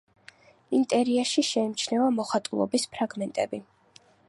ინტერიერში შეიმჩნევა მოხატულობის ფრაგმენტები.